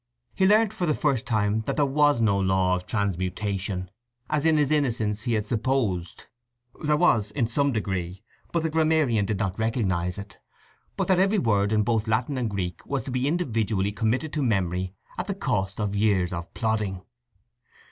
He learnt for the first time that there was no law of transmutation, as in his innocence he had supposed (there was, in some degree, but the grammarian did not recognize it), but that every word in both Latin and Greek was to be individually committed to memory at the cost of years of plodding.